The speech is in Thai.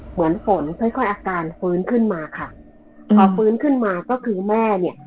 เหมือนฝนค่อยค่อยอาการฟื้นขึ้นมาค่ะพอฟื้นขึ้นมาก็คือแม่เนี่ย